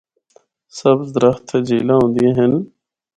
سبز درخت تے جھیلاں ہوندیاں ہن۔